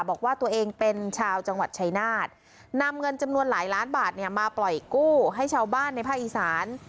บอกว่าตัวเองเป็นชาวจังหวัดชายนาฏนำเงินจำนวนหลายล้านบาทเนี่ยมาปล่อยกู้ให้ชาวบ้านในภาคอีสาน